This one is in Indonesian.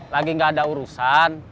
lagi gak ada urusan